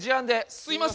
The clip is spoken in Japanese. すいません。